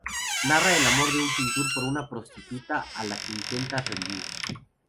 Narra el amor de un pintor por una prostituta a la que intenta redimir.